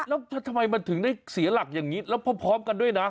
แล้วทำไมมันถึงได้เสียหลักอย่างนี้แล้วพร้อมกันด้วยนะ